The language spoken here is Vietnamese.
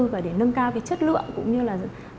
và để nâng cao cái chất lượng cũng như là